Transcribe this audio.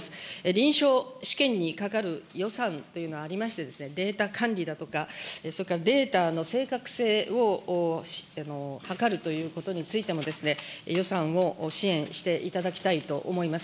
臨床試験にかかる予算というのはありましてですね、データ管理だとか、それからデータの正確性をはかるということについてもですね、予算を支援していただきたいと思います。